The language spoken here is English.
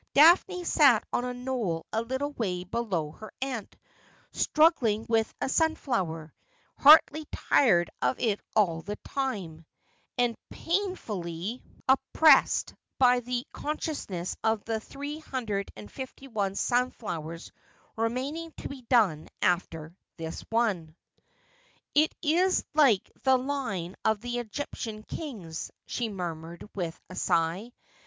Daphne sat on a knoll a little way below her aunt, struggling with a sunflower, heartily tired of it all the time, and painfully 'I wolde Live in Pees, if that I might.' 345 oppressed by the consciousness of three hundred and fifty one sunflowers remaining to be done after this one. ' It is like the line of the Egyptian kings,' she murmured with a sigh.